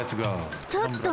ちょっと！